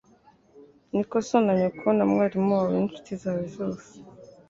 Niko So na Nyoko na Mwarimu wawe n'inshuti zawe zose.